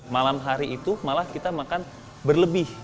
malam hari itu malah kita makan berlebih